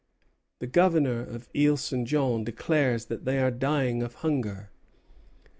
The Governor of Isle St. Jean declares that they are dying of hunger.